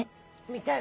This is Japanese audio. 見たい？